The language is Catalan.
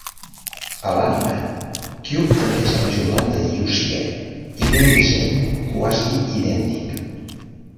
A l'anime, Cube també és el majordom de Yucie i té un disseny quasi idèntic.